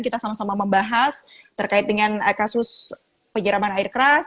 kita sama sama membahas terkait dengan kasus penyiraman air keras